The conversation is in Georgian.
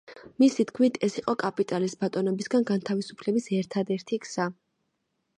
მისი თქმით, ეს იყო „კაპიტალის ბატონობისგან განთავისუფლების ერთადერთი გზა“.